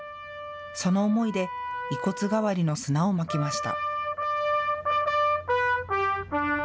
その思いで遺骨代わりの砂をまきました。